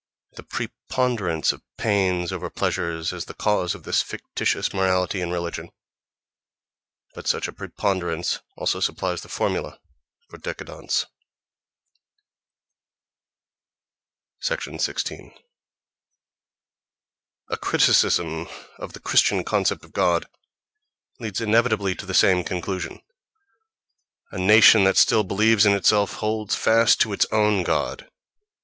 The preponderance of pains over pleasures is the cause of this fictitious morality and religion: but such a preponderance also supplies the formula for décadence.... 16. A criticism of the Christian concept of God leads inevitably to the same conclusion.—A nation that still believes in itself holds fast to its own god.